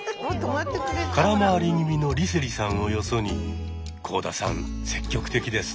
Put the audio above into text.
空回り気味の梨星さんをよそに幸田さん積極的です。